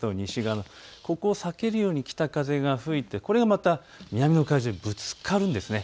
ここを避けるように北風が吹いてこれがまた南の海上でぶつかるんです。